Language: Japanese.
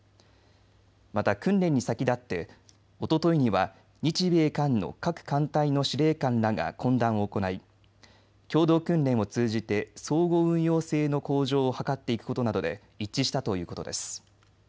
また、訓練に先立っておとといには日米韓の各艦隊の司令官らが懇談を行い共同訓練を通じて相互運用性の向上を図っていくことなどで一致したということです。